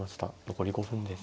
残り５分です。